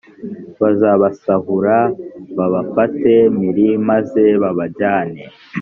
bazabasahura babafate mpiri maze babajyane